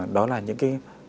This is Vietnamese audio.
đó là những cái